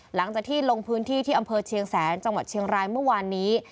หลังจากที่ลงพื้นที่ที่อำเภอเชียงแสนจังหวัดเชียงรายเมื่อวานนี้